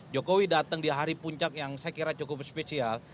jokowi datang di hari puncak yang saya kira cukup spesial